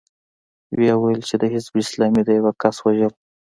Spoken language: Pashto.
ويې ويل چې د حزب اسلامي د يوه کس وژل.